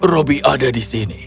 robby ada di sini